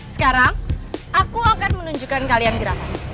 sekarang aku akan menunjukkan kalian gerakan